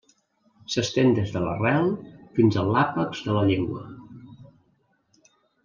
S'estén des de l'arrel fins a l'àpex de la llengua.